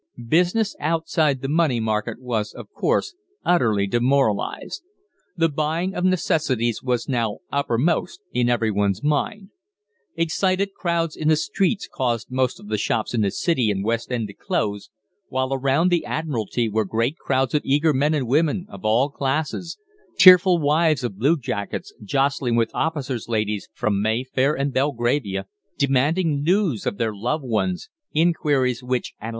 Business outside the money market was, of course, utterly demoralised. The buying of necessities was now uppermost in everyone's mind. Excited crowds in the streets caused most of the shops in the City and West End to close, while around the Admiralty were great crowds of eager men and women of all classes, tearful wives of bluejackets jostling with officers' ladies from Mayfair and Belgravia, demanding news of their loved ones inquiries which, alas!